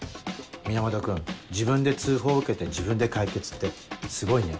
源君自分で通報受けて自分で解決ってすごいね。